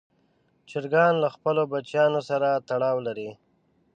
چرګان له خپلو بچیانو سره تړاو لري.